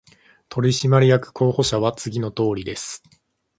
取締役候補者は次のとおりです